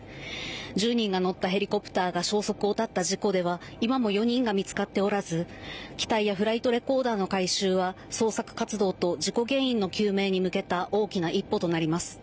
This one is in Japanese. １０人が乗ったヘリコプターが消息を絶った事故では、今も４人が見つかっておらず、機体やフライトレコーダーの回収は、捜索活動と事故原因の究明に向けた大きな一歩となります。